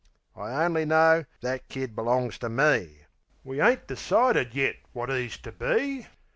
I only know that kid belongs to me! We ain't decided yet wot 'e's to be.